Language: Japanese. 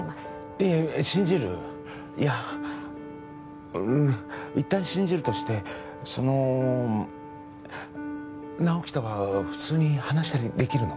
いやいや信じるいやうん一旦信じるとしてその直木とは普通に話したりできるの？